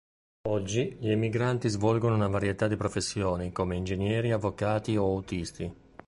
Oggi, gli emigranti svolgono una varietà di professioni come ingegneri, avvocati o autisti.